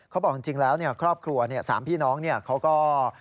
เขาบอกจริงแล้วครอบครัว๓พี่น้องเขาก็